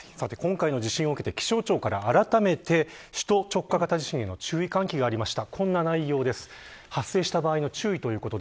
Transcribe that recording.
今回の地震を受けて気象庁から、あらためて首都直下型地震への注意喚起がありました。